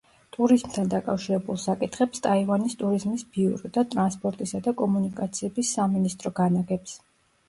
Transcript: ტურიზმთან დაკავშირებულ საკითხებს ტაივანის ტურიზმის ბიურო და ტრანსპორტისა და კომუნიკაციების სამინისტრო განაგებს.